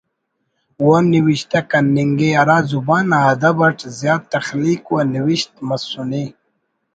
و نوشتہ کننگے ہرا زبان نا ادب اٹ زیات تخلیق و نوشت مسنے